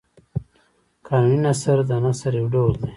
قانوني نثر د نثر یو ډول دﺉ.